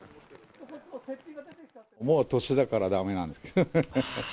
もう年だからだめなんです。